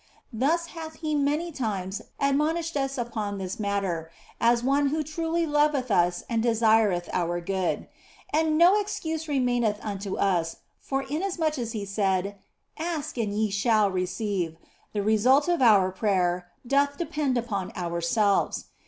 Thus hath He many times admonished us upon this matter, as one who truly loveth us and desireth our good. x\nd no excuse remaineth unto us, for inasmuch as He said, " Ask and ye shall receive," the result of our prayer OF FOLIGNO 103 doth depend upon ourselves.